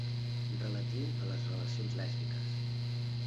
Relatiu a les relacions lèsbiques.